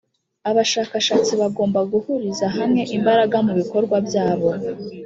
abashakashatsi bagomba guhuriza hamwe imbaraga mu bikorwa byabo,